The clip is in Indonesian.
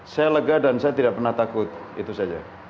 saya lega dan saya tidak pernah takut itu saja